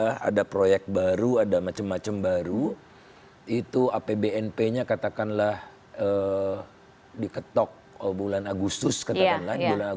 harga minyak dunia